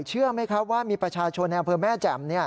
เชื่อไหมครับว่ามีประชาชนในอำเภอแม่แจ่ม